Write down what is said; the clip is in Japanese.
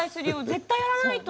絶対やらないと！